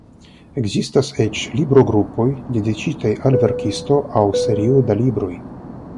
Ekzistas eĉ librogrupoj dediĉitaj al verkisto aŭ serio da libroj.